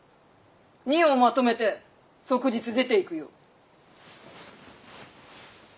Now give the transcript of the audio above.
荷をまとめて即日出ていくよう。